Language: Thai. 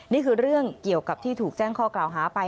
นี่คือเรื่องเกี่ยวกับที่ถูกแจ้งข้อกล่าวหาไป